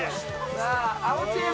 さあ青チーム。